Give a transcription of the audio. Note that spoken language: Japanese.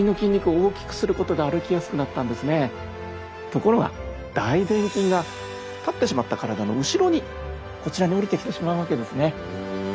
ところが大でん筋が立ってしまった体の後ろにこちらに下りてきてしまうわけですね。